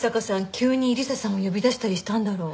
急に理彩さんを呼び出したりしたんだろう？